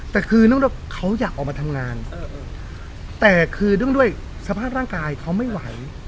แต่คือน้องเขาอยากออกมาทำงานแต่คือเรื่องด้วยสภาพร่างกายเขาไม่ไหว